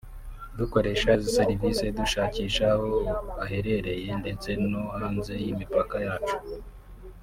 dukoresha izi serivisi dushakisha aho aherereye ndetse no hanze y’imipaka yacu